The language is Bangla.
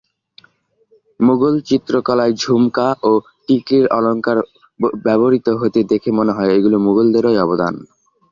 মুগল চিত্রকলায় ঝুমকা ও টিকলির অলঙ্কার ব্যবহূত হতে দেখে মনে হয় এগুলি মুগলদেরই অবদান।